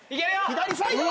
左サイド！